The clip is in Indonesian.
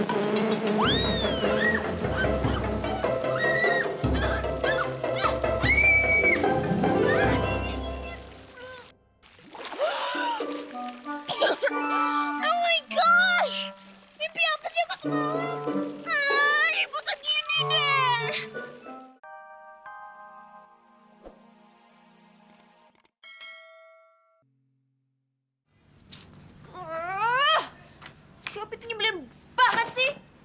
siapa itu nyembelin banget sih